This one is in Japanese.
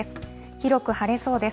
広く晴れそうです。